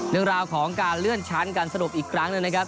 เรื่องราวของการเลื่อนชั้นการสรุปอีกครั้งหนึ่งนะครับ